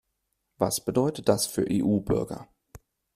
Was bedeutet das für EU-Bürger?